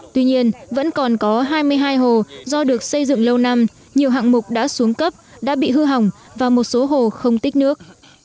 tuy nhiên vẫn còn có hai mươi hai hồ do được xây dựng lâu năm nhiều hạng mục đã xuống cấp đã bị hư hỏng và một số hồ không tích nước